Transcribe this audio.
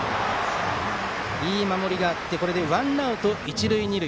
いい守りがあってワンアウト、一塁二塁。